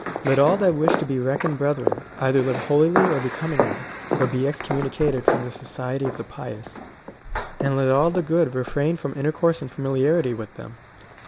" Let all that wish to be reckoned brethren, either live holily and becomingly, or be excom municated from the society of the pious, and let all the good refrain from intercourse and familiarity with them.